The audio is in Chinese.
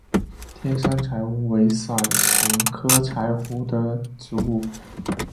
天山柴胡为伞形科柴胡属的植物。